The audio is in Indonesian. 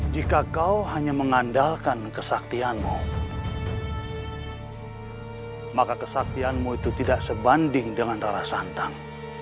jika kau hanya mengandalkan kesaktianmu maka kesaktianmu itu tidak sebanding dengan darah santang